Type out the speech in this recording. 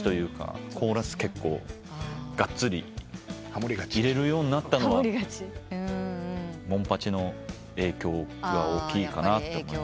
コーラス結構がっつり入れるようになったのはモンパチの影響が大きいかなと思います。